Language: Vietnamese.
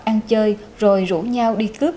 ăn chơi rồi rủ nhau đi cướp